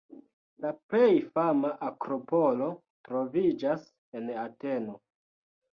La plej fama akropolo troviĝas en Ateno.